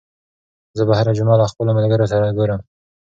زه به هره جمعه له خپلو ملګرو سره ګورم.